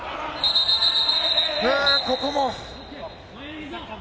ここも。